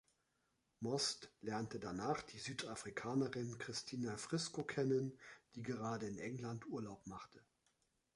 Most lernte danach die Südafrikanerin Kristina Frisco kennen, die gerade in England Urlaub machte.